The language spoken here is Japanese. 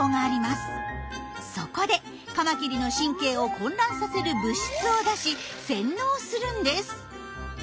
そこでカマキリの神経を混乱させる物質を出し洗脳するんです。